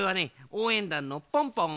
おうえんだんのポンポン。